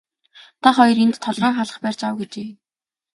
Та хоёр энд толгойн халх барьж ав гэжээ.